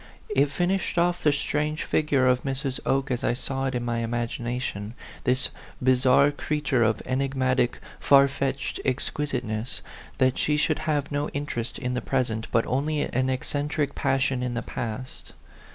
It fin ished off the strange figure of Mrs. Oke as I saw it in my imagination this bizarre creat ure of enigmatic, far fetched exquisiteness that she should have no interest in the pres ent, but only an eccentric passion in the past.